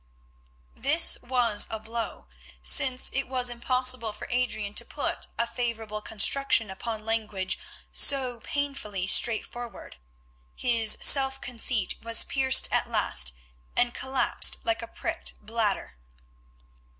This was a blow, since it was impossible for Adrian to put a favourable construction upon language so painfully straightforward. His self conceit was pierced at last and collapsed like a pricked bladder.